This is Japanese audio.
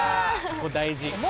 ここ大事よ。